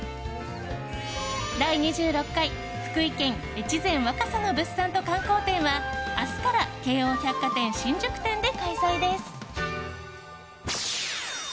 第２６回福井県「越前・若狭」の物産と観光展は明日から京王百貨店新宿店で開催です。